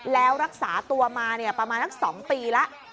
แล้วรักษาตัวมาประมาณสัก๒ปีแล้ว